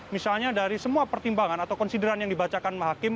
misalnya dari semua pertimbangan atau konsideran yang dibacakan hakim